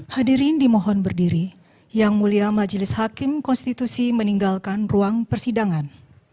hadirin dimohon berdiri yang mulia majelis hakim konstitusi meninggalkan ruang persidangan